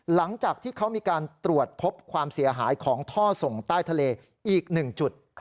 หลังจากที่เขามีการตรวจพบความเสียหายของท่อส่งใต้ทะเลอีก๑จุด